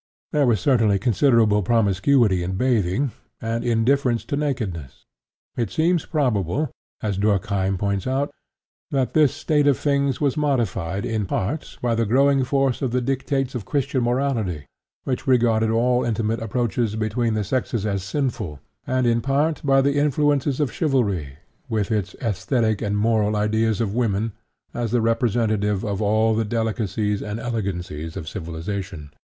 There was certainly considerable promiscuity in bathing and indifference to nakedness. It seems probable, as Durkheim points out, that this state of things was modified in part by the growing force of the dictates of Christian morality, which regarded all intimate approaches between the sexes as sinful, and in part by the influence of chivalry with its æsthetic and moral ideals of women, as the representative of all the delicacies and elegancies of civilization.